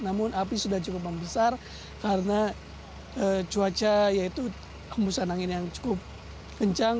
namun api sudah cukup membesar karena cuaca yaitu kembusan angin yang cukup kencang